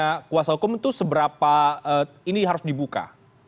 karena kuasa hukum itu seberapa ini harus dibuka